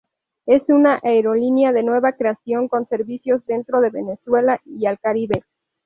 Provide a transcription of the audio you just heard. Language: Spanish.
Es una aerolínea de nueva creación con servicios dentro de Venezuela y al Caribe.